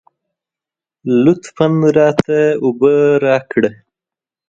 لطفاً راته اوبه راکړه.